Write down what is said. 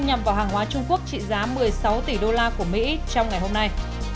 nhằm vào hàng hóa trung quốc trị giá một mươi sáu tỷ đô la của mỹ trong ngày hôm nay